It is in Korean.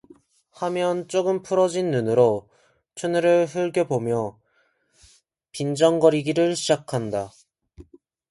하며 조금 풀어진 눈으로 춘우를 흘겨보며 빈정거리기를 시작한다.